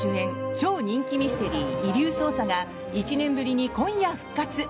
超人気ミステリー「遺留捜査」が１年ぶりに今夜復活。